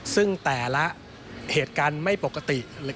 ซึ่งแต่ละเหตุการณ์ไม่ปกติ